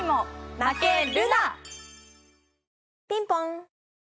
ピンポン。